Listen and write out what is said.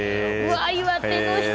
岩手の人